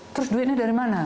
terus duitnya dari mana